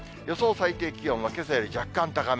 最低気温はけさより若干高め。